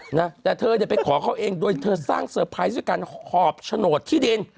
นะแต่เธอเนี่ยไปขอเขาเองโดยเธอสร้างเซอร์ไพรส์ด้วยการหอบโฉนดที่ดิน